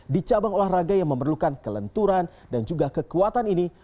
di cabang olahraga yang memerlukan kelenturan dan juga kekuatan ini